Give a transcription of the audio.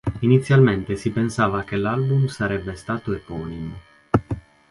Inizialmente si pensava che l'album sarebbe stato eponimo.